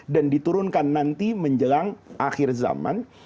dan diturunkan nanti menjelang akhir zaman